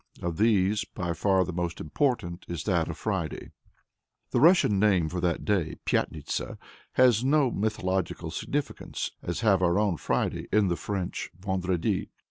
Of these, by far the most important is that of Friday. The Russian name for that day, Pyatnitsa, has no such mythological significance as have our own Friday and the French Vendredi.